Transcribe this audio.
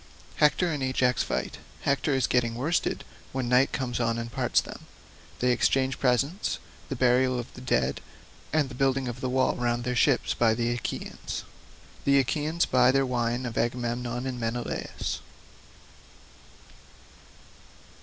Hector and Ajax fight—Hector is getting worsted when night comes on and parts them—They exchange presents—The burial of the dead, and the building of a wall round their ships by the Achaeans—The Achaeans buy their wine of Agamemnon and Menelaus.